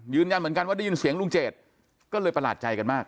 ยืนยันเหมือนกันว่าได้ยินเสียงลุงเจดก็เลยประหลาดใจกันมาก